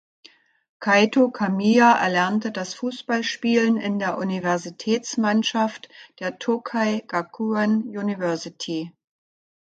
Kaito Kamiya erlernte das Fußballspielen in der Universitätsmannschaft der "Tokai Gakuen University".